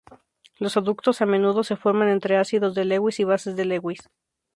Los aductos a menudo se forman entre ácidos de Lewis y bases de Lewis.